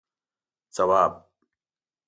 ځواب: